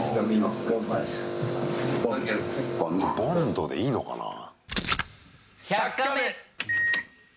ボンドでいいのかなぁ？